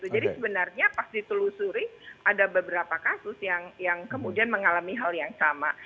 jadi sebenarnya pas ditelusuri ada beberapa kasus yang kemudian mengalami hal yang sama